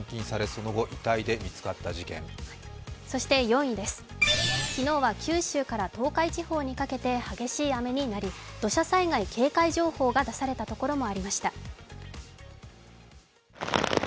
そして４位です、昨日は九州から東海地方にかけて激しい雨になり、土砂災害警戒情報が出されたところもありました。